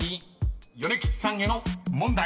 ［米吉さんへの問題］